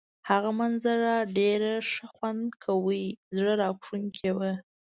هغه منظره ډېر ښه خوند کاوه، زړه راښکونکې وه.